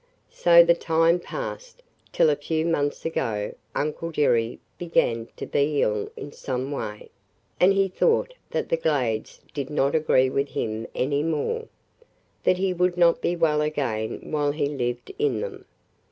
"So the time passed, till a few months ago Uncle Jerry began to be ill in some way, and he thought that the Glades did not agree with him any more – that he would not be well again while he lived in them.